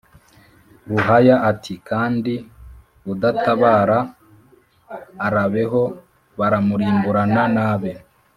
ruhaya ati: "Kandi udatabara arabeho baramurimburana n’ abe